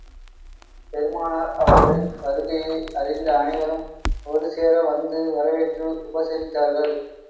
பெருமானார் அவர்களின் வருகையை அறிந்த அனைவரும் ஒரு சேர வந்து வரவேற்று உபசரித்தார்கள்.